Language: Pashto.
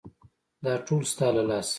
_دا ټول ستا له لاسه.